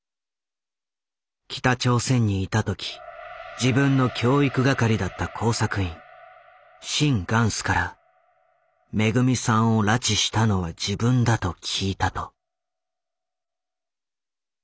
北朝鮮にいた時自分の教育係だった工作員シン・グァンスから「めぐみさんを拉致したのは自分だ」と聞いたと。